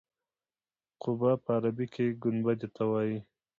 قبه په عربي کې ګنبدې ته وایي.